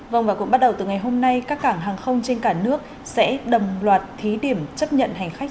vâng và cũng bắt đầu từ ngày hôm nay các cảng hàng không trên cả nước sẽ đồng loạt thí điểm chấp nhận hành khách